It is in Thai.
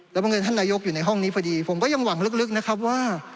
แล้วบังเอิญท่านนายกอยู่ในห้องนี้พอดีผมก็ยังหวังลึกนะครับว่า